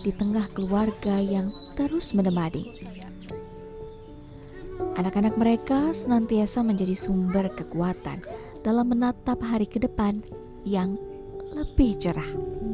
di tengah keluarga yang terus menemani anak anak mereka senantiasa menjadi sumber kekuatan dalam menatap hari ke depan yang lebih cerah